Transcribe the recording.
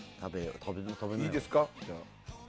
いいですか。